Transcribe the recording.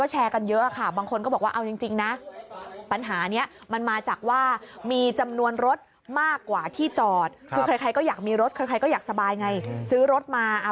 หยุดแล้วว่ะหยุด